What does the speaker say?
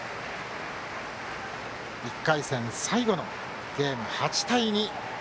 １回戦最後のゲーム、８対２。